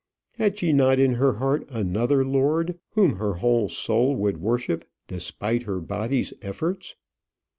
Had she not in her heart another lord, whom her whole soul would worship, despite her body's efforts?